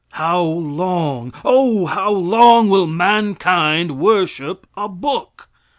How long, O how long, will mankind worship a book?